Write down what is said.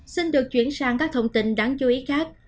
xin được chuyển sang các thông tin đáng chú ý khác